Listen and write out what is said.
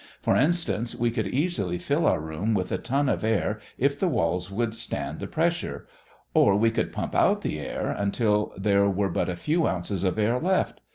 For instance, we could easily fill our room with a ton of air if the walls would stand the pressure; or we could pump out the air, until there were but a few ounces of air left.